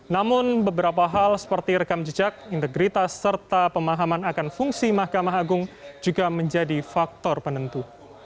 namun beberapa hal seperti rekam jejak integritas serta pemahaman akan fungsi mahkamah agung juga menjadi faktor penentu